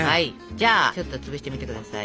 じゃあちょっと潰してみて下さい。